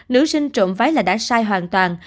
nữ sinh trộm váy là đã sai hoàn toàn